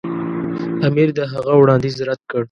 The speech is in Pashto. امیر د هغه وړاندیز رد کړ.